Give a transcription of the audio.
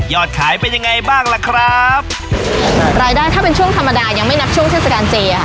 ขายเป็นยังไงบ้างล่ะครับรายได้ถ้าเป็นช่วงธรรมดายังไม่นับช่วงเทศกาลเจค่ะ